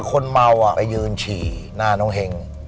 คนเมาไปยืนฉี่หน้าน้องเฮง